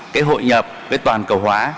cái hội nhập với toàn cầu hóa